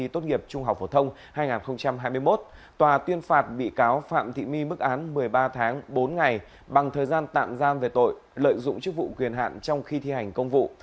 tòa tuyên phạt bị cáo phạm thị my mức án một mươi ba tháng bốn ngày bằng thời gian tạm giam về tội lợi dụng chức vụ quyền hạn trong khi thi hành công vụ